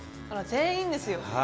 あら全員ですよ。